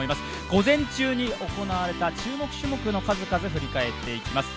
午前中に行われた注目種目の数々、振り返っていきます。